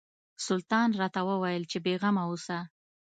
سلطان راته وویل چې بېغمه اوسه.